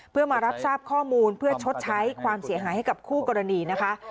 เพื่อมารับทราบข้อมูลเพื่อชดใช้ความเสียหายให้กับคู่กรณีนะคะ